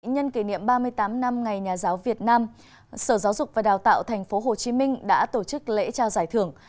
nhân kỷ niệm ba mươi tám năm ngày nhà giáo việt nam sở giáo dục và đào tạo tp hcm đã tổ chức lễ trao giải thưởng